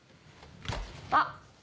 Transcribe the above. あっ！